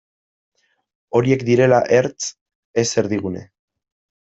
Horiek direla ertz, ez erdigune.